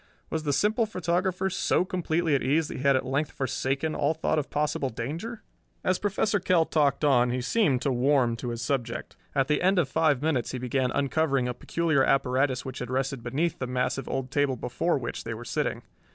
Was the simple photographer so completely at ease that he had at length forsaken all thought of possible danger? As Professor Kell talked on he seemed to warm to his subject. At the end of five minutes he began uncovering a peculiar apparatus which had rested beneath the massive old table before which they were sitting.